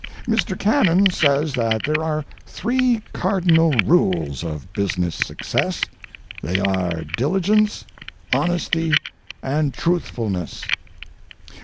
Mr. Cannon says that there are three cardinal rules of business success; they are diligence, honesty, and truthfulness.